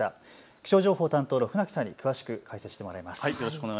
気象情報担当の船木さんに詳しく解説してもらいます。